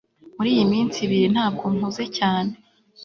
muri iyi minsi ibiri ntabwo mpuze cyane